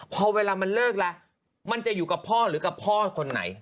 พอเวลามันเลิกแล้วมันจะอยู่กับพ่อหรือกับพ่อคนไหน